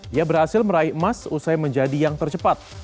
dia berhasil meraih emas usai menjadi yang tercepat